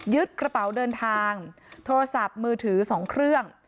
กระเป๋าเดินทางโทรศัพท์มือถือ๒เครื่อง